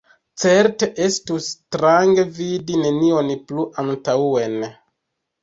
Certe estus strange vidi nenion plu antaŭen.